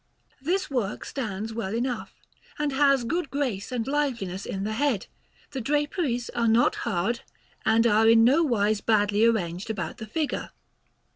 This work stands well enough, and has good grace and liveliness in the head; the draperies are not hard, and are in no wise badly arranged about the figure.